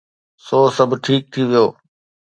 سو سڀ ٺيڪ ٿي ويو.